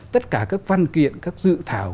tất cả các văn kiện các dự thảo